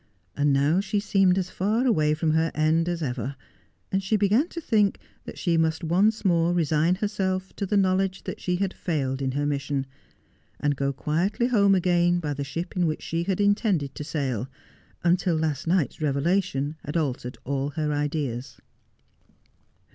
And now she seemed as far away from her end as ever ; and she began to think that she must once more resign herself to the knowledge that she had failed in her mission, and go quietly home again by the ship in which she had intended to sail, until last night's revelation had altered all her ideas.